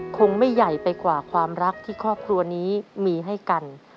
คงไม่ใหญ่ไปกว่าความรักที่ครอบครัวนี้มีให้กัน